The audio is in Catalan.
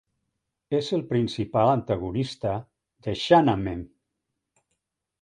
És el principal antagonista de Shahnameh.